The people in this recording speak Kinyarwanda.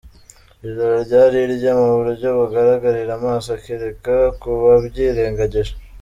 Ijoro ryari irye mu buryo bugaragarira amaso kereka ku babyirengagije.